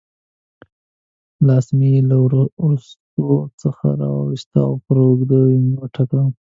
لاس مې یې له وریښتو څخه را وایست او پر اوږه مې وټکاوه.